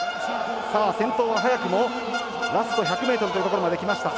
先頭は早くも、ラスト１００ｍというところまできました。